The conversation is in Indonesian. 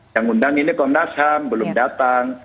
yang undang ini komnas ham belum datang